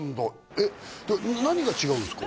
えっ何が違うんですか？